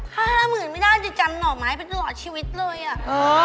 ห้าหมื่นไม่ได้สิจำหน่อไม้ไปตลอดชีวิตเลยอ่ะเออ